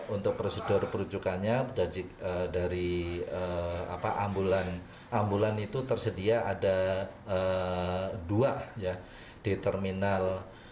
untuk prosedur perujukannya dari ambulan itu tersedia ada dua di terminal